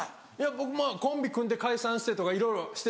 僕もコンビ組んで解散してとかいろいろしてて。